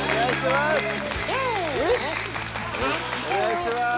お願いします！